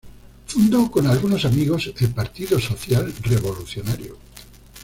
Fundó, con algunos amigos, el Partido Social Revolucionario.